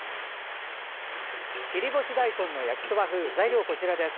切り干し大根の焼きそば風材料はこちらです。